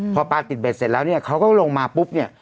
พอปลาติดเบ็ดเสร็จแล้วเนี่ยเขาก็ลงมาปุ๊บเนี่ย